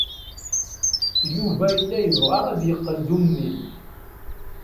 Yuba yella yebɣa ad yeqqel d ummil.